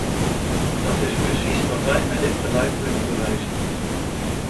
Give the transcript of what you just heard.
Dat is precies wat we met dit beleid willen bewijzen.